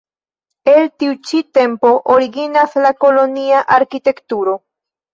El tiu ĉi tempo originas la kolonia arkitekturo.